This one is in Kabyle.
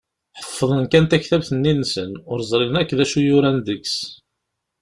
Ḥeffḍen kan taktabt-nni-nsen, ur ẓrin akk d acu yuran deg-s.